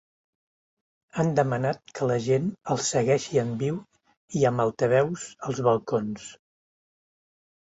Han demanat que la gent el segueixi en viu i amb altaveus als balcons.